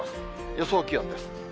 予想気温です。